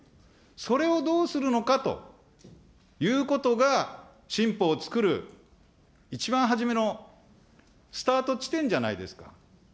それをどうするのかということが、新法を作る一番初めのスタート地点じゃないですか。